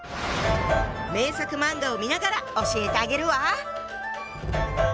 名作漫画を見ながら教えてあげるわ！